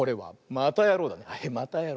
またやろう！